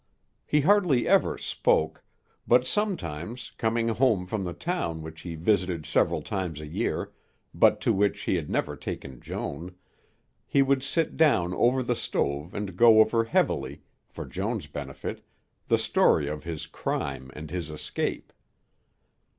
He hardly ever spoke, but sometimes, coming home from the town which he visited several times a year, but to which he had never taken Joan, he would sit down over the stove and go over heavily, for Joan's benefit, the story of his crime and his escape.